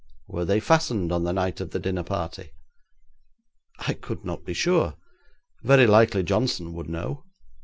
'Were they fastened on the night of the dinner party?' 'I could not be sure; very likely Johnson would know.